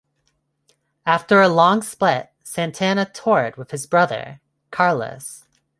After a long split, Santana toured with his brother, Carlos.